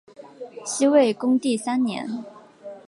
西魏恭帝三年。